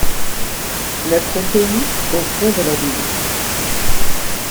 Notre pays au fond de l'abîme.